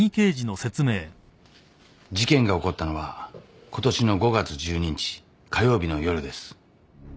事件が起こったのはことしの５月１２日火曜日の夜です。